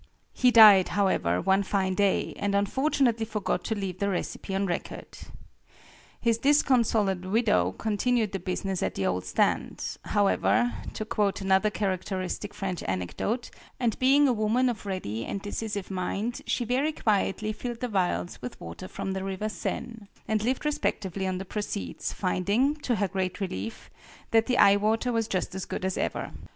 He died, however, one fine day, and unfortunately forgot to leave the recipe on record. "His disconsolate widow continued the business at the old stand," however to quote another characteristic French anecdote and being a woman of ready and decisive mind, she very quietly filled the vials with water from the river Seine, and lived respectably on the proceeds, finding, to her great relief, that the eye water was just as good as ever.